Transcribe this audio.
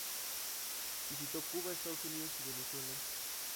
Visitó Cuba, Estados Unidos y Venezuela.